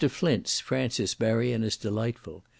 Flint's Francis Berrian is delightful.